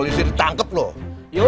lagi dua puluh trabalhah untuk perhubungan